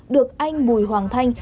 được anh bùi hoàng thanh